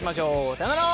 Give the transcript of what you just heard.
さようなら！